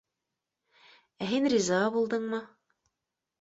— Ә һин риза булдыңмы?